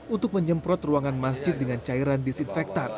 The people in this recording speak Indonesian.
untuk menyemprot ruangan masjid dengan cairan disinfektan